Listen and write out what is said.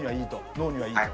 脳にはいいと。